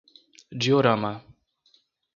Diorama